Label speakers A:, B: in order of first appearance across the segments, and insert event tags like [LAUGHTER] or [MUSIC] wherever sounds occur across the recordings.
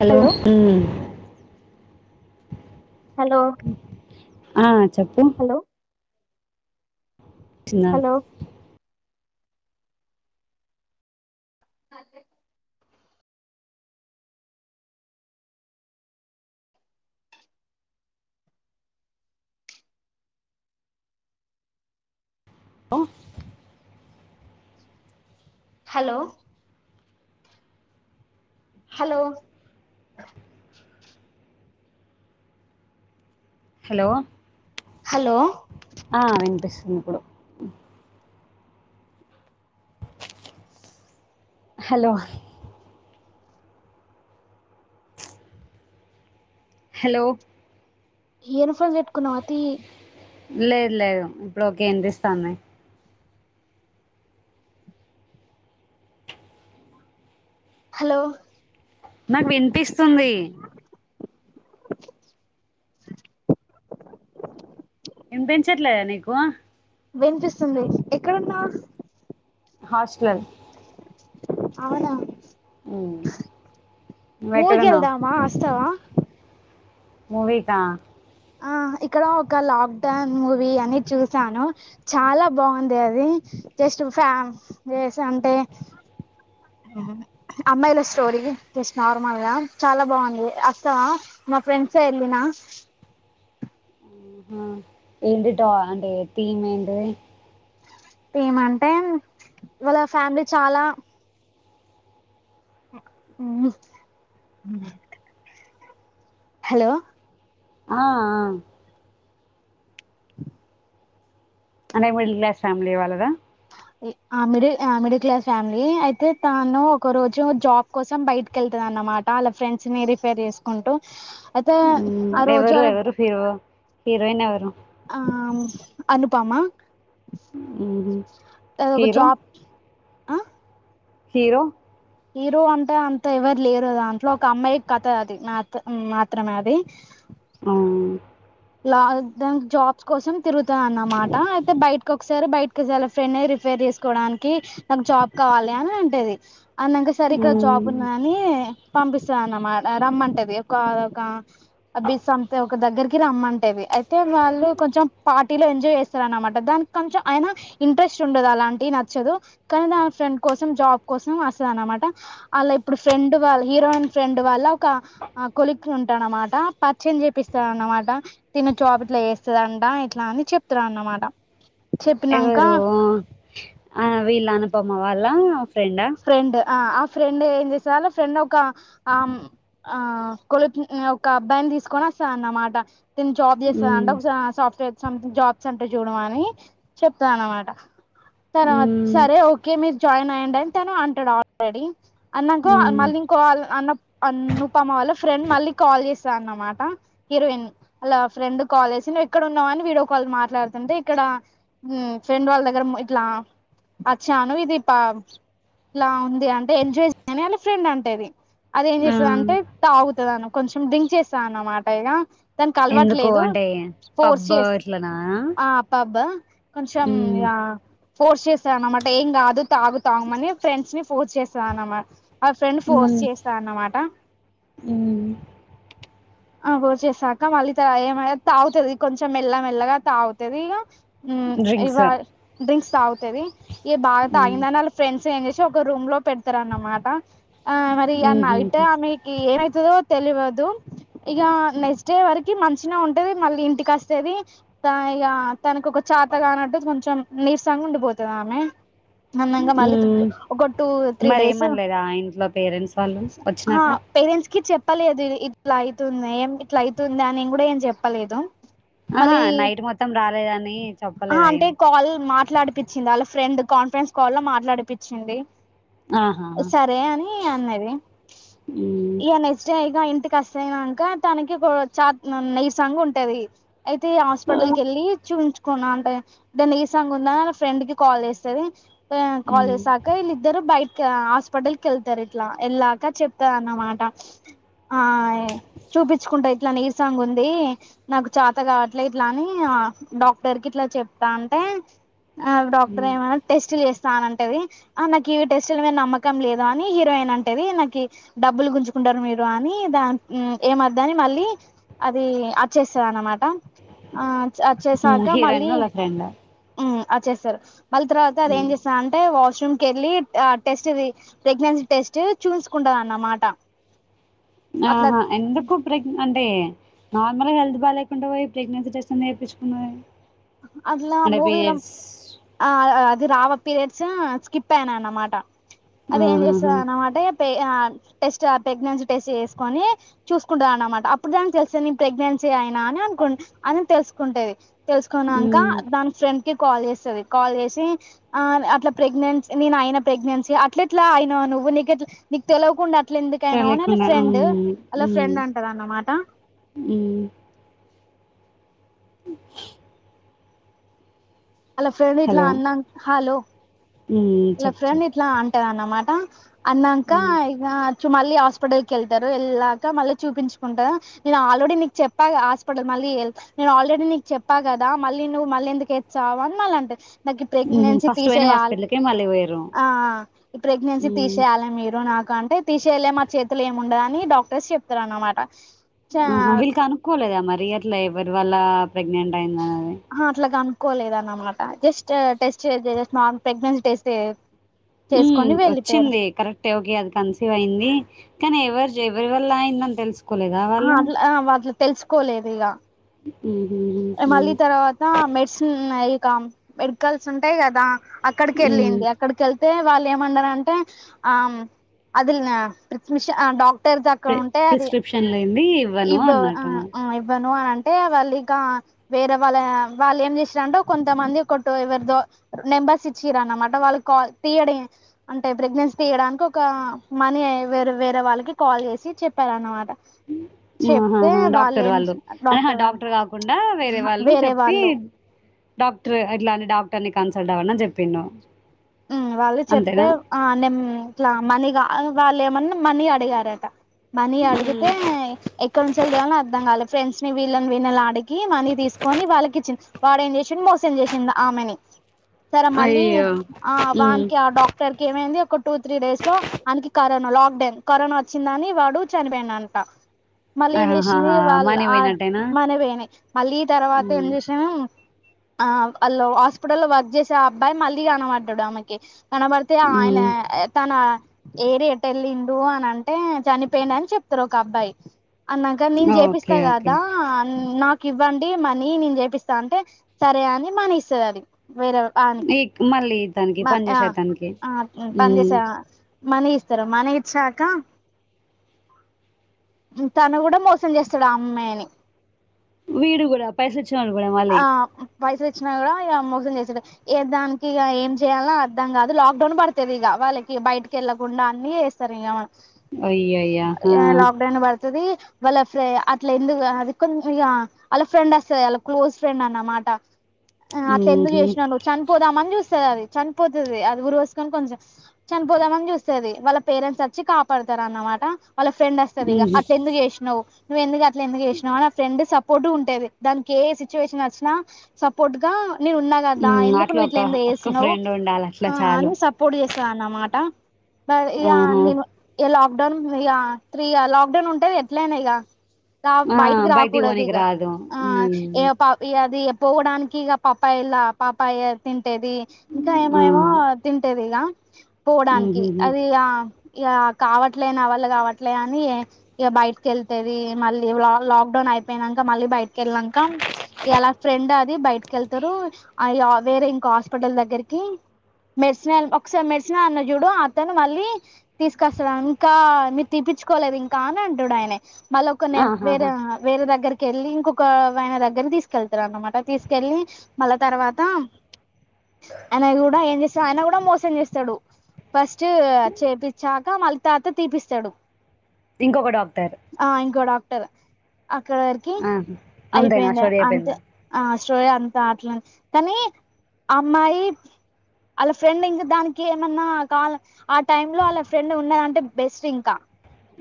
A: Hello ఊ
B: hello
A: ఆ చెప్పు
B: హలో
A: చింద
B: హలో
A: అ
B: హలో హలో
A: హలో
B: హలో.
A: ఆహ్ వినిపిస్తుంది ఇప్పుడు. హలో. హలో.
B: ఇయర్ ఫోన్స్ పెట్టుకున్నావ తీయి.
A: లేదు లేదు ఇప్పుడు ఓకే వినిపిస్తాంది.
B: హలో.
A: నాకు వినిపిస్తుంది. ఇనిపించట్లే నీకు.
B: వినిపిస్తుంది ఎక్కడున్నావ్.
A: హాస్టల్.
B: అవునా.
A: ఉమ్, నువ్వు ఎక్కడున్నావు
B: మూవీకెళ్దామా వస్తావా.
A: మూవీ కా.
B: ఆహ్ ఇక్కడ ఒక లాక్డౌన్ మూవీ అని చూసాను. చాలా బాగుంది అది. జస్ట్ ఫ్యామ్ వేస్ అంటే. అమ్మాయిల స్టోరీ జస్ట్ నార్మల్ గా చాలా బాగుంది అస్తావా. మా ఫ్రెండ్స్ తో ఎళ్లిన.
A: ఏంటిటా అంటే థీమ్ ఏంటిది.
B: థీమంటే వాళ్ళ ఫ్యామిలీ చాలా. ఉమ్ ఉమ్మ్. హలో.
A: ఆహ్ ఆహ్. అంటే మిడిల్ క్లాస్ ఫ్యామిలీ వాళ్ళదా.
B: ఆహ్ మిడిల్ ఆహ్ మిడిల్ క్లాస్ ఫ్యామిలీ అయితే తాను ఒక రోజు జాబ్ కోసం బయటకి వెళ్తుది. అన్నమాట వాలా ఫ్రెండ్స్ ని రిఫేర్ చేసుకుంటూ అయితే
A: ఉమ్,
B: ఆ రోజు
A: ఎవరు
B: అలా.
A: ఎవరు హీరో హీరోయిన్ ఎవరు.
B: ఆహ్ అనుపమా.
A: ఉమ్మ్ హీరో.
B: ఆహ్.
A: హీరో.
B: హీరో అంటే అంత ఎవరు లేరు దాంట్లో ఒక అమ్మాయి కత్. అది మత్ ఉమ్ మాత్రమే అది.
A: అవును.
B: ఆహ్ దానికి జాబ్స్ కోసం తిరుగుతాది అన్నమాట అయితే బయటకి ఒకసారి బయటకి వాళ్ళు ఫ్రెండ్ని రిఫేర్ చేస్. చేసుకోవడానికి నాకు జాబ్ కావాలి అని అంటాది. అన్నాంక సరిగ్గా జాబ్
A: ఉమ్,
B: ఉన్నాదాని. పంపిస్తంది అన్నమాట ఆహ్ రమ్మంటాది ఒక ఒక బిస్ అంత ఒక దగ్గరికి. రమ్మంటాది అయితే వాళ్ళు కొంచెం పాట్. వీళ్లు ఎంజాయ్ చేస్తరనమాట దానికి కొంచం అయిన ఇంట్రెస్ట్ ఉండదు అలాంటివి నచ్చదు కానీ వాళ్ళ ఫ్రెండ్. కోసం జాబ్ కోసం వస్తాదనమాట అలా ఇప్పుడు ఫ్రెండ్ వాళ్ళ హీరోయిన్ ఫ్రెండ్ వాళ్ళ ఒక ఆహ్. కొలిక్ ఉంటాడు అన్నమాట పరిచయం చేపిస్తాడు అన్నమాట. తిన్ను ట్రాఫిక్ లో చేస్తాడంట ఇట్లా అని చెప్తున్నాడన్నమాట.
A: ఎవరు ఆహ్ వీళ్ళు అనుపమ వాళ్ళ ఫ్రెండా.
B: ఆహ్ ఆ ఫ్రెండ్ ఏం చేస్తాడు వాళ్ళా ఫ్రెండ్ ఒక ఆమ్ ఆహ్ కొలిక్ని ఒక అబ్బాయిని. తీసుకొని వస్తాడన్నమాట. ఐతే నేను జాబ్ చేస్తాదంటా
A: మ్మ్.
B: ఆహ్ సాఫ్ట్వేర్ సంథింగ్ జాబ్స్ అంటా చూడవ అని చెప్తాదనమాట. తర్వాత
A: మ్మ్.
B: సరే ఓకే మీరు జాయిన్ అయ్యండి అని వెంటనే అంటాడు ఆల్రెడీ. అన్నాంక
A: మ్మ్.
B: మళ్ళీ ఇంకో ఆల్ అన్న అనుపమ వాళ్ళ ఫ్రెండ్ మళ్ళీ కాల్ చేసి. అన్నమాట హీరోయిన్ వాళ్ళ ఫ్రెండ్ కాల్ చేసి నువ్వు ఎక్కడ ఉన్నావు అని వీడియో కాల్ మాట్లాడుతుంటే ఇక్కడ. ఆ మ్మ్ ఫ్రెండ్ వాళ్ళ దగ్గర మ్ ఇట్లా వచ్చాను ఇది ప ఇలా ఉంది అంటే ఎంజాయ్ చేయి అని వాళ్ళ ఫ్రెండ్ అంటది అది ఏం
A: ఆ.
B: చేస్తది అంటే తాగుతది అను కొంచెం డ్రింక్ చేస్తా అనమాట ఇగ దానికి అలవాటు
A: ఎందుకు
B: లేదు
A: అంటే
B: ఫోర్స్
A: పబ్
B: చేస్
A: ఇట్లనా
B: ఆ పబ్ కొంచెం
A: మ్మ్.
B: ఇగా ఫోర్స్ చేస్తదనమాట ఏం గాదు తాగుతామని ఫ్రెండ్స్ ని ఫోర్స్ చేస్తదనమాట. వాళ్ల ఫ్రెండ్ ఫోర్స్
A: మ్మ్.
B: చేస్తదనమాట.
A: మ్మ్.
B: ఫోర్స్ చేశాక మళ్లీ ఏ మ య తాగుతది కొంచెం మెల్లమెల్లగా తాగుతది ఇగా హూమ్
A: డ్రింక్స్
B: ఇవా డ్రింక్స్ తాగుతది ఇగ బాగా
A: మ్మ్.
B: తాగిందాని వాళ్ళ ఫ్రెండ్స్ చేంజ్ చేసి ఒక రూమ్ లో పెడతారనమాట ఆ మరి ఆ నైటే
A: మ్మ్.
B: ఆమెకి ఏమై తదో తెలవదు ఇగ నెక్స్ట్ డే వరకు మంచిగానే ఉంటది మళ్లీ ఇంటికస్తది ఆ ఇగ తనకొక చాత గానట్టు కొంచెం నీరసంగా ఉండిపోతది ఆమె. నన్నింగ మళ్ళీ తుం
A: మ్మ్.
B: ఒక టు త్రీ
A: మరి
B: డేస్
A: ఏమనలేదా ఇంట్లో పేరెంట్స్ వాళ్ళు
B: ఆ
A: వచ్చినాక
B: పేరెంట్స్ కి చెప్ ప్పలేదు ఇది ఇట్లా అయితుంది ఏం ఇట్లా అయితుంది అని గూడా ఏం చెప్పలేదు.
A: ఆహా
B: మళ్ళీ
A: నైట్ మొత్తం రాలేదని
B: అహ
A: చెప్పలేదా
B: అంటే
A: ఏం
B: కాల్ మా మాట్లాడిపిచ్చింది వాళ్ళ ఫ్రెండ్ కాన్ఫరెన్స్ కాల్ లో మాట్లాడిపిచ్చింది.
A: ఆహా
B: సరే అని అన్నది
A: మ్మ్.
B: ఇగ నెక్స్ట్ డే ఇగ ఇం ఇంటి కస్తేయినాంక తనకి ఒక చాత్ న్ నీరసంగా ఉంటది. అయితే ఆస్పటల్
A: మ్మ్.
B: కెళ్ళి చూయించ్ కోనా అంటే [UNINTELLIGIBLE] నీరసం గుందా ఫ్రెండ్ కి కాల్ చేస్తది యే కాల్
A: మ్మ్.
B: చేస్ శాక వీళ్ళిద్దరు బైక్ ఆ ఆస్పటల్ కెళ్తారు ఇట్లా వెళ్ళాక చెప్తాదన్నమాట. ఆ చూపిచ్చుకుంటా ఇట్లా నీరసంగా ఉంది నాకు చేత గావట్లే ఇట్లా అని ఆ డాక్టర్ కి ఇట్లా చెప్తా అంటే ఆ డాక్టర్
A: మ్మ్.
B: ఏమన్నా టెస్ట్ చేస్తా అనంటది. ఆ నాకు ఇవి టెస్టుల మీద నమ్మకం లేదు అని గిరాయి ఈనంటది నాకి డబ్బులు గుంజుకుంటారు మీరు అని కీ దాన్ మ్ ఏమద్దని మళ్లీ అది వచ్చేస్తదనమాట. చ్ అచ్చేశాక మళ్ళీ
A: హీరోయిన్ వాళ్ళ ఫ్రెండా
B: అచ్చేస్తరు మళ్ళీ తర్వాత అది ఏం చేస్తారు అంటే వా ష్ రూమ్ కెళ్ళి ఆ టెస్ట్ ది ప్రెగ్నెన్సీ టెస్ట్ చూయించుకుంటదన్నమాట.
A: ఆహా ఎందుకు ప్రగ్ అంటే నార్మల్గా హెల్త్ బాలేకుంటే పోయి ప్రెగ్నెన్సీ టెస్ట్ ఎందుకు చేపిచ్చుకుంది ఆమె.
B: అట్లా మూవీ లో ఆ ఆ అది రావ పీరియడ్స్ స్కిప్ అయినాయి అనమాట అది ఏం
A: ఆహాహా
B: చేస్తాది అనమాటే పే ఆ టెస్ట్ ప్రెగ్నెన్సీ టెస్ట్ చేసుకొని చూసుకుంటది అనమాట అప్పుడు దానికి తెలుస్తది నేను ప్రెగ్నెన్సీ అయినా అనుకుంట్ అని తెలుసుకుంటది తెలుసుకున్నాంక
A: ఉమ్
B: దాని ఫ్రెండ్ కి కాల్ చేస్తది కాల్ చేసి ఆ అట్లా ప్రెగ్నెన్సీ నేను ఆయన ప్రెగ్నెన్సీ అట్లెట్లా అయినవ్ నువ్వు నీకెట్ల నీకు తెలియకుండా అట్ల ఎందుకైనవ్ అని ఆళ్ల
A: తెలియకుండా
B: ఫ్రెండ్
A: ఉమ్
B: ఆళ్ల ఫ్రెండ్ అంటదనమాట.
A: ఊమ్
B: అలా ఫ్రెండ్ ఇట్లా అందన్ హలో
A: ఊమ్ చెప్పు చెప్
B: ట దనమాట అన్నాంక ఇగ చు మళ్ళీ హాస్పిటల్ కెళ్తారు. వెళ్ళాక మళ్ళీ చూపించుకుంటారు. నేను ఆల్రెడీ నీకు చెప్పాగా హాస్పిటల్ మళ్ ళ్లీ నేను ఆల్రెడీ నీకు చెప్పా గదా మళ్ళీ నువ్వు మళ్ళీ ఎందుకు ఎచ్చావు అని మళ్ళీ అంటది. నాకి
A: ఉహు
B: ప్రెగ్నెన్సీ
A: ఫస్ట్ పోయిన
B: తీసేయాల్
A: హాస్పిటల్కే మళ్ళీ పోయిర్రు
B: ఆ ఈ ప్రెగ్నెన్సీ
A: ఉమ్
B: తీసేయాలి మీరు నాకు అంటే తీసేయాలేం మా చేతుల్లో ఏమి ఉండదని డాక్టర్స్ చెప్తారనమాట.
A: ఆహ వీళ్లు కనుక్కోలేదా మరి అట్లా ఎవరి వల్ల ప్రెగ్నెంట్ అయిందా
B: అహ అట్లాగా అనుకోలేదనమాట జస్ట్ టెస్ట్ జస్ నార్ ప్రెగ్నెన్సీ టెస్ట్
A: ఊమ్
B: చేసుకొని వెళ్ళిపోయారు
A: వచ్చింది కరక్టే ఓకే అది కన్సీవ్ అయింది కానీ ఎవరు ఎవరి వల్ల అయిందని తెలుసు
B: ఆ [UNINTELLIGIBLE] తెలుసుకోలేదు ఇగ
A: ఉహు ఉమ్
B: మళ్ళీ
A: ఉమ్
B: తర్వాత మెడిసిన్ ఇక మెడికల్స్ ఉంటాయ్ కదా అక్కడికి
A: ఉమ్,
B: వెళ్ళింది అక్కడికెళ్ అతే వాళ్ళు ఏమండారంటే ఆ [UNINTELLIGIBLE] [UNINTELLIGIBLE] అక్కడ
A: ప్రి
B: ఉంటే అది
A: ప్రిస్క్రిప్షన్ లేనిది ఇవ్వను
B: ఇబ
A: అన్నట్టు
B: ఇబ అని అంటే వాళ్ళు ఇక వేరే వాళ్ళ వాళ్ళు ఏం చేసారంటో కొంతమంది కొట్టు ఎవరిదో నెంబర్స్ ఇచ్చిర అన్నమాట వాళ్ళు కాల్ తీయడం అంటే ప్రెగ్నెన్సీ తీయడానికి ఒక వేరే వేరే వాళ్ళకి కాల్ చేసి చెప్పారనమాట
A: ఆహ డాక్టర్ వాళ్ళు అ డాక్టర్ కాకుండా వేరే వాళ్ళు
B: వేరే
A: చెప్పి
B: వాళ్ళు
A: డాక్టర్ ఇట్లాంటి డాక్టర్ ని కన్సల్ట్ అవ్వడిని చెప్పిను
B: వాళ్ళు చెప్తే ఆ నేమ్ ఇట్లా మని వాళ్ళు ఏమన్నా మనీ అడిగారట మనీ
A: మ్మ్.
B: అడిగితే ఎక్కడ నుంచి [UNINTELLIGIBLE] అర్థ కాల ఫ్రెండ్ ని వీళ్ళని వీళ్ళని అడికి మనీ తీసుకొని వాళ్ళకి ఇచ్చిన వాడు ఏం చేసి మోసం చేసిండు ఆమెని సరే మళ్ళీ
A: అయ్యో
B: ఆ
A: మ్మ్.
B: వానికి ఆ డాక్టర్ కేమైంది ఒక టూ త్రీ డేస్ లో అనికి కరోనా లాక్ డౌన్ కరోనా వచ్చిందని వాడు [UNINTELLIGIBLE] మళ్ళీ ఏం చేసింది
A: ఆహాహా
B: వాళ్
A: మనీ
B: ఆ
A: పోయినట్టేనా
B: మన పోనా మళ్ళీ తర్వాత ఏం
A: మ్మ్.
B: చేసాను ఆ వాళ్ళు హాస్పిటల్ లో వర్క్ చేసే అబ్బాయి మళ్ళీ కనబడ్డాడు ఆమెకి కనబడితే ఆయన
A: మ్మ్.
B: తన ఎడి ఎటు వెళ్ళిండు అని అంటే చనిపోయిండ అని చెప్తారు ఒక అబ్బాయి అన్నాగ నేను
A: ఓకే
B: చేపిస్తా
A: ఓకే
B: కదా అ నాకు ఇవ్వండి మనీ నేను చేపిస్తా అంటే సరే అని మనీ ఇస్తది అది వేరే వానికి
A: ఈ మళ్ళీ తనకి పని చేసే తనకి మ్మ్.
B: [UNINTELLIGIBLE] మని ఇస్తారు మని ఇచ్చాక తను కూడ మోసం చేస్తాడు ఆ అమ్మాయిని
A: వీడు కూడ పైస ఇచ్చినోడు కూడ మల్లి
B: కూడ [UNINTELLIGIBLE] మోసం చేసాడు ఏ దన్ ఇక ఏం చేయాలలో అర్థం కాదు లాక్ డౌన్ పడుతది ఇక వాళ్ళకి బయటికి వెళ్ళలకుండా అన్ని చేేస్తారు ఇగ
A: అయ్యయ్యా ఆ.
B: లక్డౌన్ బడుతుది వాళ్ళ అట్లా ఎందుకు అది కొంచెంగా వాళ్ళ ఫ్రెండ్ వస్తుంది వాళ క్లోజ్ ఫ్రెండ్ అనమాట ఆ అట్ల ఎందుకు
A: మ్మ్హ్మ్.
B: చేసినావు నువ్వు చనిపోదామని అది చనిపోతుది అది ఉరి వేసుకొని కొంచెం చనిపోదామని చూస్తది వాళ్ళ పేరెంట్స్ వచ్చి కాపాడతా అన్నమాట వాళ్ళ ఫ్రెండ్ వస్తది ఇగ
A: మ్మ్హ్మ్.
B: అట్లా ఎందుకు చేసినావు నువ్ ఎందు అట్ ఎందు చేసినావు ఫ్రెండ్ సపోర్ట్ ఉంటేది దానికి ఏ సిచ్యువేషన్ వచ్చినా సపోర్ట్ గా నేను ఉన్నా కదా
A: హ్మ్
B: ఎందుకు
A: అట్లా
B: ఇట్ల
A: ఒక
B: ఎందుకు
A: ఒక్క
B: చేసినావ్
A: ఫ్రెండ్ ఉండాలి అట్లా
B: ఆ
A: చాలు
B: అని సపోర్ట్ చేస్తదన మాట ఇక
A: ఆహా
B: నేను ఇ లాక్డౌన్ ఇక త్రీ [UNINTELLIGIBLE] లాక్డౌన్ ఉంటేది ఎట్లయినా ఇగ
A: ఆ
B: బయటికి రాకూడదు
A: పోనీకి
B: ఇగ
A: రాదు
B: ఆ
A: హ్మ్
B: అది పోవడానికి ఇగ ఇలా పాపయ [UNINTELLIGIBLE] ఇంకా
A: ఆ
B: ఏమేమో తింటది ఇగ పోవడానికి
A: హుహుహు
B: అది ఆ కావట్లే వాళ్ళ నా వల్ల కావట్లే అని ఇగ బయటకి వెళ్తేది మళ్ళీ లాక్డౌ అయిపోయినంకా మళ్ళ బయటకి [UNINTELLIGIBLE] ఇలా ఫ్రెండ్ అది బయటకి వెళ్తారు అ వేర ఇం హాస్పిటల్ దగ్గరికి మెడిసిన ఒకసారి మెడిసినల్ అన్న చూడు అతను మళ్ళీ తీసుకొస్తా ఇంకా మీరు తీపి కోలేదు ఇంకా అని అంటాడు ఆయన
A: ఆహాహా
B: మళ్ళ [UNINTELLIGIBLE] కెళ్ళి ఇంకొకవైన దగ్గర తీసుకెళ్తారు అన్మాట తీసుకెళ్ళి మళ్ళా తర్వాత అయన కూడ ఏం చేస్తాడు ఆయన కూడ మోసం చేస్తాడు ఫస్ట్ చేపిచ్చాక మళ్ళీ తర్వాత తీపిస్తాడు
A: ఇంకొక డాక్టర్
B: అక్కడ వర్కి
A: ఆహా అంతేనా
B: ఐపోయింది
A: స్టోరీ
B: అంతే
A: అయిపోయిందా
B: స్టోయ్ అం అట్ల కనీ అమ్మాయి వాళ్ళ ఫ్రెండ్ ఇంక దాన్కి ఏమన్న నాల ఆ టైమ్లో వాళ్ళ ఫ్రెండ్ ఉన్నదంటే బెస్ట్ ఇంక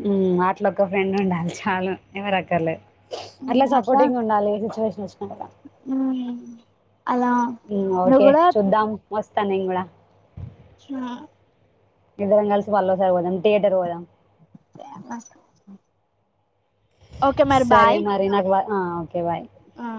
A: మ్ అట్లొక్క ఫ్రెండ్ ఉండాలె చాలు ఎవరకర్లే అట్ల
B: అట్లా
A: సపోర్టింగ్ ఉండాలి సిచ్యువేషన్ ఒచ్చిన
B: అలా
A: ఉమ్
B: నువ్వు
A: ఓకే
B: కూడా
A: చూద్దాం ఒస్తా నేన్ గుడా
B: ఊ
A: ఇద్దరం కల్సి మల్లోసారి పోదాం థియేటర్ పోదాం
B: అహ్
A: సరే మరి నాకు వ ఆ ఒకే బాయ్
B: ఆ